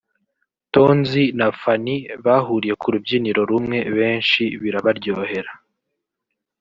Tonzi na Fanny) bahuriye ku rubyiniro rumwe benshi birabaryohera